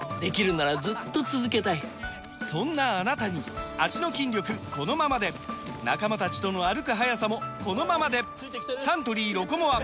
そんなあなたに脚の筋力このままで仲間たちとの歩く速さもこのままでサントリー「ロコモア」！